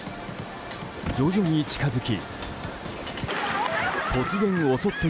徐々に近づき。